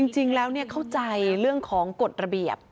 จริงแล้วเข้าใจเรื่องของกฎระเบียบ